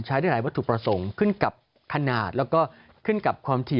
ได้หลายวัตถุประสงค์ขึ้นกับขนาดแล้วก็ขึ้นกับความถี่